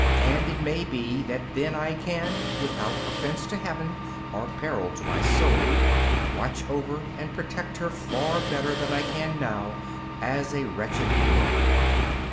And it may be that then I can, without offence to Heaven or peril to my soul, watch over and protect her far better than I can now as a wretched monk.